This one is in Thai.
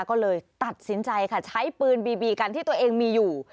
ก็เลยตัดสินใจค่ะใช้ปืนบีบีกันที่ตัวเองมีอยู่